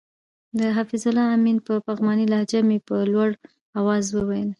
د حفیظ الله آمین په پغمانۍ لهجه مې په لوړ اواز وویل.